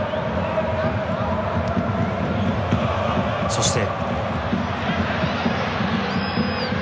そして。